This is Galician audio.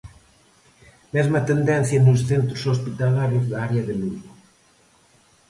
Mesma tendencia nos centros hospitalarios da área de Lugo.